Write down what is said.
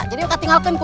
jadi kau tinggalkan aku